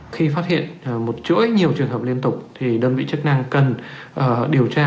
khi phát hiện một chuỗi nhiều trường hợp liên tục thì đơn vị chức năng cần điều tra